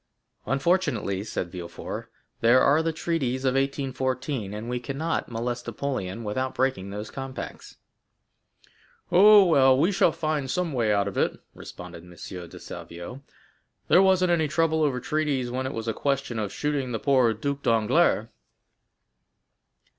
"Unfortunately," said Villefort, "there are the treaties of 1814, and we cannot molest Napoleon without breaking those compacts." "Oh, well, we shall find some way out of it," responded M. de Salvieux. "There wasn't any trouble over treaties when it was a question of shooting the poor Duc d'Enghien."